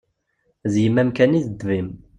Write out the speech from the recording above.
D yemma-m kan i d ddeb-im.